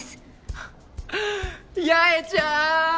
あっ八重ちゃん！